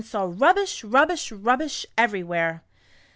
saw rubbish, rubbish, rubbish, everywhere.